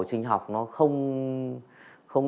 sinh học nó không